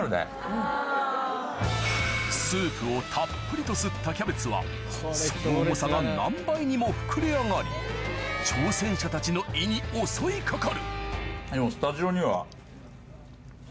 スープをたっぷりと吸ったキャベツはその重さが何倍にも膨れ上がり挑戦者たちの胃に襲いかかる華大さん。